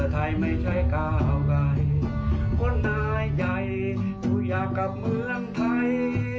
คนไหนใยอยากกับเมืองไทย